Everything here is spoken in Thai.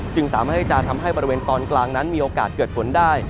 สามารถที่จะทำให้บริเวณตอนกลางนั้นมีโอกาสเกิดฝนได้